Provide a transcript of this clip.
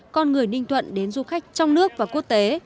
con người ninh thuận đến du khách trong nước và quốc tế